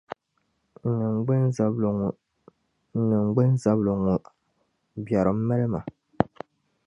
N niŋgbunzabili ŋɔ, n niŋgbunzabili ŋɔ! Biɛrim mali ma.